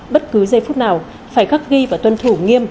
bất cứ giây phút nào phải khắc ghi và tuân thủ nghiêm